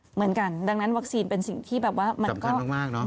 เหมือนกันดังนั้นวัคซีนเป็นสิ่งที่เป็นสำคัญมาก